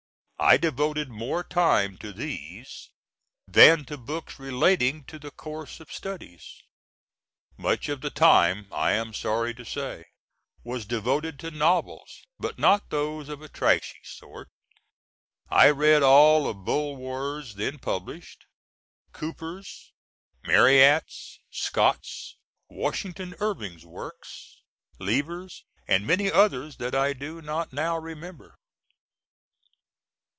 I devoted more time to these, than to books relating to the course of studies. Much of the time, I am sorry to say, was devoted to novels, but not those of a trashy sort. I read all of Bulwer's then published, Cooper's, Marryat's, Scott's, Washington Irving's works, Lever's, and many others that I do not now remember.